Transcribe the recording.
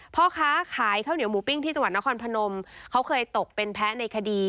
พ่อค้าขายข้าวเหนียวหมูปิ้งที่จังหวัดนครพนมเขาเคยตกเป็นแพ้ในคดี